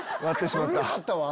割ってしまった。